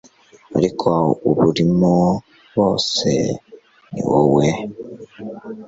ariko uba urimo rwose, ni wowe